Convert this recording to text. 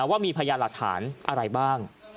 ว่ามีพยานหลักฐานอะไรบ้าง